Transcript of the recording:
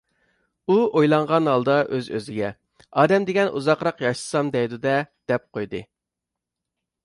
ئۇ ئويلانغان ھالدا ئۆز-ئۆزىگە: «ئادەم دېگەن ئۇزاقراق ياشىسام دەيدۇ-دە» دەپ قويدى.